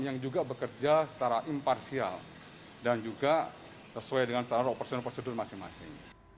yang juga bekerja secara imparsial dan juga sesuai dengan standar operasional prosedur masing masing